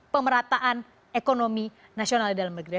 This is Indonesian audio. pemerataan ekonomi nasional dalam negeri